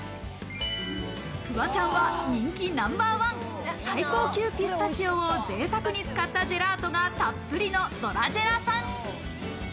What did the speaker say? フワちゃんは人気ナンバーワン、最高級ピスタチオを贅沢に使ったジェラートがたっぷりの「ドラジェラさん」。